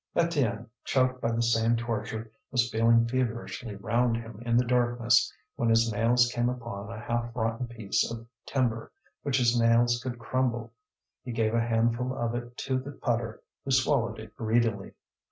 Étienne, choked by the same torture, was feeling feverishly round him in the darkness, when his fingers came upon a half rotten piece of timber, which his nails could crumble. He gave a handful of it to the putter, who swallowed it greedily.